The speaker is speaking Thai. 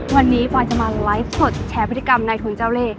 วันนี้ปลอยก็มาไนล์ไลฟ์แชร์พฤศจรรย์แบบในทุนเจ้าเล